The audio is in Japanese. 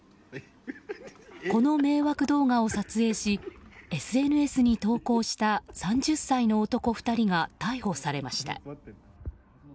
この迷惑動画を撮影しＳＮＳに投稿した３０歳の男２人が逮捕されました。